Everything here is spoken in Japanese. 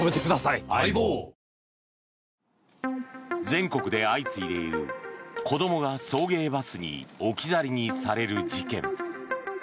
全国で相次いでいる子どもが送迎バスに置き去りにされる事件。